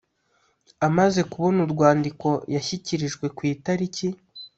Amaze kubona urwandiko yashyikirijwe ku itariki